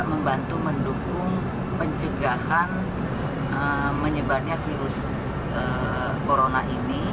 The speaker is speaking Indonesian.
grupusnya bagaimana kita juga membantu mendukung pencegahan menyebarnya virus corona ini